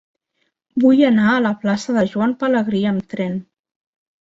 Vull anar a la plaça de Joan Pelegrí amb tren.